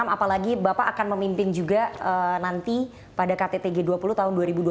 apalagi bapak akan memimpin juga nanti pada kttg dua puluh tahun dua ribu dua puluh dua